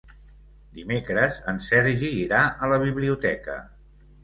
Dimecres en Sergi irà a la biblioteca.